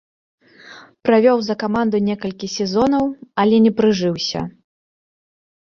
Правёў за каманду некалькі сезонаў, але не прыжыўся.